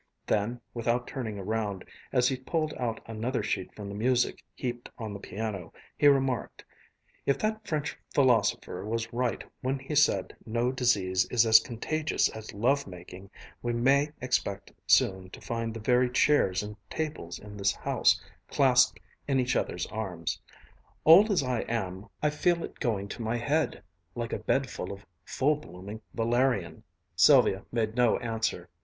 Then, without turning around, as he pulled out another sheet from the music heaped on the piano, he remarked: "If that French philosopher was right when he said no disease is as contagious as love making, we may expect soon to find the very chairs and tables in this house clasped in each other's arms. Old as I am, I feel it going to my head, like a bed of full blooming valerian." Sylvia made no answer.